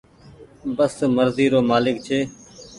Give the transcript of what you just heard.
بس مرزي رو مآلڪ ڇي۔